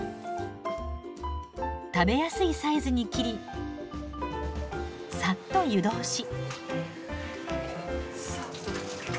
食べやすいサイズに切りさっと湯通し。